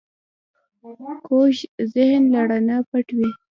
کوږ ذهن له رڼا پټ وي